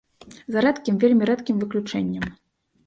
За рэдкім, вельмі рэдкім выключэннем.